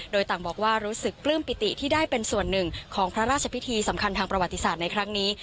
โดยต่างบอกว่ารู้สึกปลื้มปิติที่ได้เป็นส่วนหนึ่งของพระราชพิธีสำคัญทางประวัติศาสตร์ในครั้งนี้